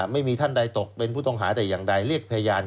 ไม่มีท่านใดตกเป็นผู้ต้องหาแต่อย่างใดเรียกพยาน